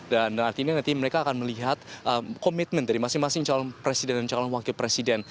dan artinya nanti mereka akan melihat komitmen dari masing masing calon presiden dan calon wakil presiden